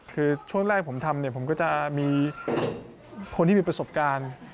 คือช่วงแรกผมทำเนี่ยผมก็จะมีคนที่มีประสบการณ์